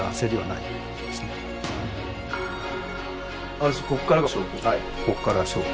ある種ここからが勝負？